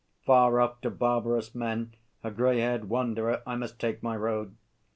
Far off to barbarous men, A grey haired wanderer, I must take my road.